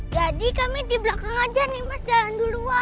jadi kami di belakang saja nih mas jalan duluan